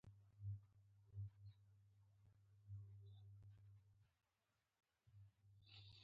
یوه سپین ږیري په خپل کتابخانه کې مطالعه کوله.